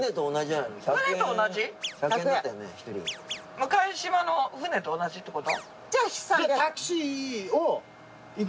向島の船と同じってこと？